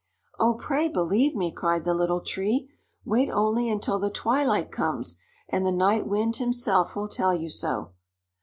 "Oh, pray believe me!" cried the Little Tree. "Wait only until the twilight comes, and the Night Wind himself will tell you so."